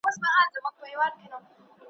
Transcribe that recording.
دا خيبر دی دا شمشاد دی ,